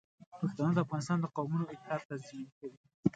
پښتانه د افغانستان د قومونو اتحاد تضمین کوي.